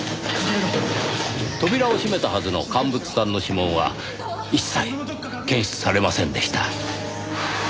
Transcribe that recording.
扉を閉めたはずのカンブツさんの指紋は一切検出されませんでした。